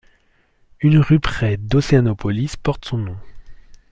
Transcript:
Une rue près d'Océanopolis porte son nom.